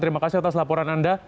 terima kasih atas laporan anda